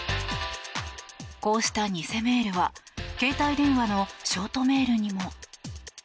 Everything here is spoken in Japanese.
こうした偽メールは携帯電話のショートメールにも。